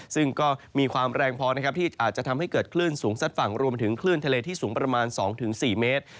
ซึ่งก็มีความแรงพอนะครับที่อาจจะทำให้เกิดคลื่นสูงซัดฝั่งรวมถึงคลื่นทะเลที่สูงประมาณ๒๔เมตร